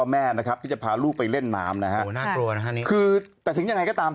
มันอยู่ในน้ำ